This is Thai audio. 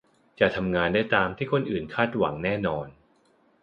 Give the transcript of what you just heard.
จะทำงานได้ตามที่คนอื่นคาดหวังแน่นอน